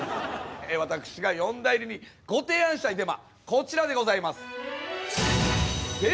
私が四大入りにご提案したいデマこちらでございます。